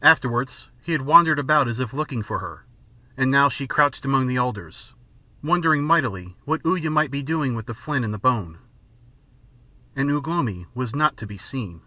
Afterwards he had wandered about as if looking for her. And now she crouched among the alders, wondering mightily what Uya might be doing with the flint and the bone. And Ugh lomi was not to be seen.